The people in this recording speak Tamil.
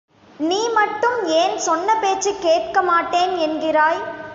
நீ மட்டும் ஏன் சொன்ன பேச்சுக் கேட்கமாட்டேன் என்கிறாய்!